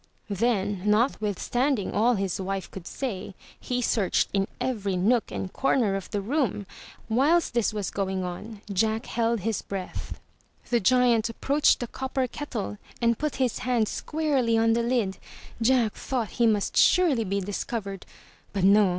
Then, notwithstanding all his wife could say, he searched in every nook and corner of the room. Whilst this was going on, Jack held his breath. The giant 382 UP ONE PAIR OF STAIRS approached the copper kettle and put his hand squarely on the lid. Jack thought he must surely be discovered, but no!